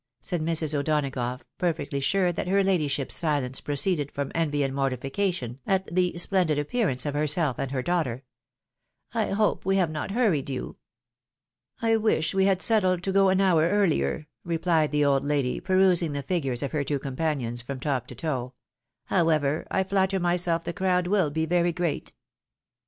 " said Mrs. O'Dona gough, perfectly sure that her ladyship's silence proceeded from envy and mortification at the splendid appearance of herself and her daughter ;" I hope we have not hurried you? " v2 340 THE WIDOW MAKRIED. " I wish we had settled to go an hour earlier," replied the old lady, perusing the figures of her companions from top to toe ;" however, I flatter myself the crowd will be very great."